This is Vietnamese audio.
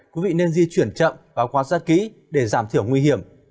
quý vị nên di chuyển chậm và quan sát kỹ để giảm thiểu nguy hiểm